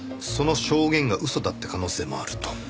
その証言が嘘だって可能性もあると。